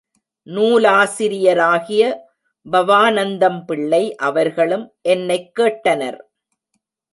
நூலாசிரியராகிய பவாநந்தம் பிள்ளை அவர்களும் என்னைக் கேட்டனர்.